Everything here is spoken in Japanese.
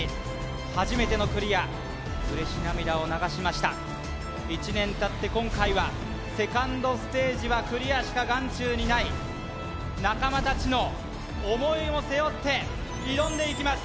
初めてのクリア嬉し涙を流しました１年たって今回はセカンドステージはクリアしか眼中にない仲間達の思いを背負って挑んでいきます